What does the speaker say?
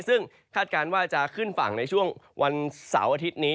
ซึ่งคาดการณ์ว่าจะขึ้นฝั่งในช่วงวันเสาร์อาทิตย์นี้